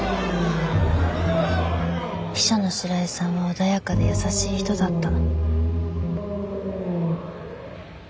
秘書の白井さんは穏やかで優しい人だった。